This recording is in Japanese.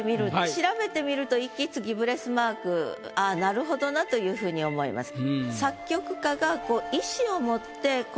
調べてみると息継ぎブレスマークああなるほどなというふうに思います。